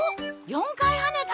４回跳ねた！